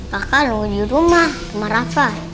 pak kak lu di rumah sama rafa